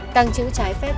càng chữ trái phép